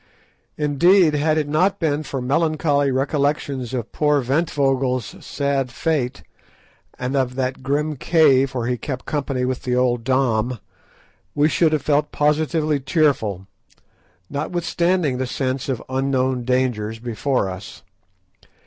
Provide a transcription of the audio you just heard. Indeed, had it not been for melancholy recollections of poor Ventvögel's sad fate, and of that grim cave where he kept company with the old Dom, we should have felt positively cheerful, notwithstanding the sense of unknown dangers before us.